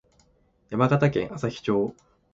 山形県朝日町